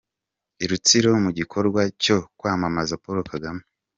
I Rutsiro mu gikorwa cyo kwamamaza Paul Kagame.